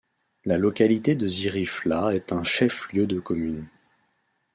La localité de Zirifla est un chef-lieu de commune.